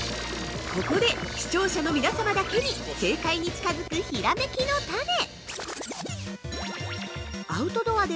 ◆ここで視聴者の皆様だけに正解に近づくひらめきのタネ。